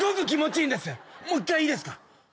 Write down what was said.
もう１回いいですか？